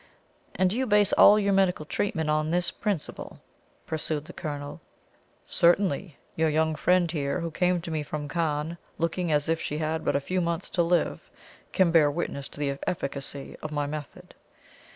"And do you base all your medical treatment on this principle?" pursued the Colonel. "Certainly. Your young friend here, who came to me from Cannes, looking as if she had but a few months to live, can bear witness to the efficacy of my method."